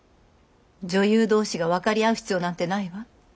女優同士が分かり合う必要なんてないわ。